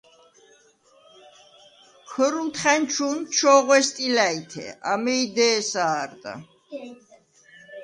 ქორულთხა̈ნჩუ̄ნ ჩოღვე სტილა̈ჲთე, ამეი დე̄სა არდა.